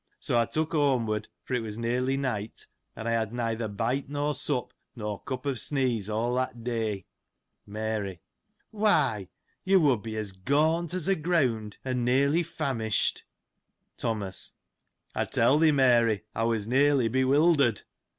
So, I took home ward, for it was nearly night ; and I had neither bite nor sup, nor cup of sneeze of all that day. Mary. — Why, you would be as gaunt as a greimd,^ and nearly famished. Thomas. — I tell thee, Mary, I was nearly bewildered.